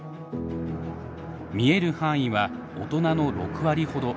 見える範囲は大人の６割ほど。